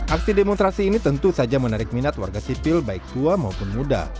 aksi demonstrasi ini tentu saja menarik minat warga sipil baik tua maupun muda